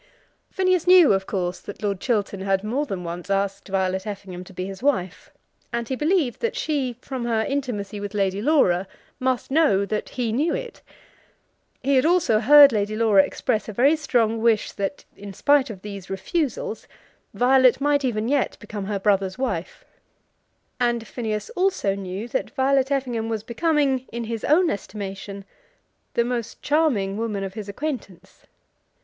Phineas knew, of course, that Lord Chiltern had more than once asked Violet Effingham to be his wife, and he believed that she, from her intimacy with Lady Laura, must know that he knew it. He had also heard Lady Laura express a very strong wish that, in spite of these refusals, Violet might even yet become her brother's wife. And Phineas also knew that Violet Effingham was becoming, in his own estimation, the most charming woman of his acquaintance.